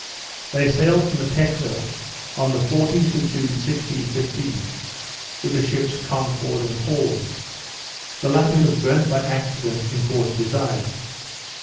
They sailed from the Texel, on the 14th of June, 1615, with the ships Concord and Horn. The latter was burnt by accident in Port Desire.